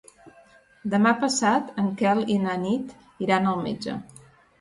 Demà passat en Quel i na Nit iran al metge.